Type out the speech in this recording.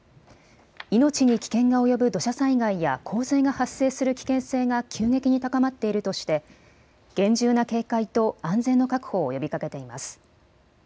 命に危険が及ぶ土砂災害や洪水が発生する危険性が急激に高まっているとして厳重な警戒と安全の確保を呼びかけています。